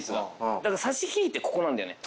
だから差し引いてここなんだよね。